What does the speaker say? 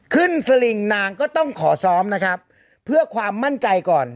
สลิงนางก็ต้องขอซ้อมนะครับเพื่อความมั่นใจก่อน